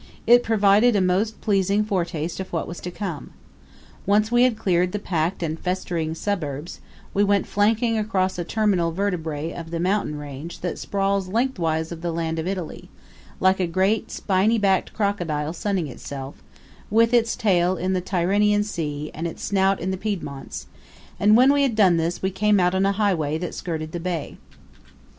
It provided a most pleasing foretaste of what was to come. Once we had cleared the packed and festering suburbs, we went flanking across a terminal vertebra of the mountain range that sprawls lengthwise of the land of Italy, like a great spiny backed crocodile sunning itself, with its tail in the Tyrrhenian Sea and its snout in the Piedmonts; and when we had done this we came out on a highway that skirted the bay.